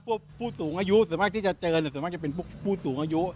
ผู้สูงอายุส่วนมากที่จะเจอส่วนมากจะเป็นผู้สูงอายุ